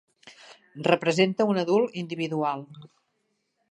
Representa un adult individual.